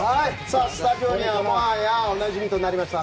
スタジオにはもはやおなじみとなりました